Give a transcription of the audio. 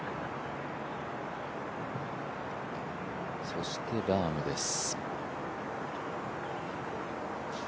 そしてラームです。